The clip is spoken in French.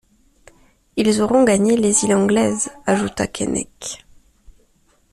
Ils auront gagné les îles anglaises, ajouta Keinec.